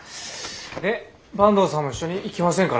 で坂東さんも一緒に行きませんか？